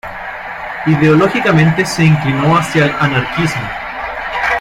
Ideológicamente, se inclinó hacia el anarquismo.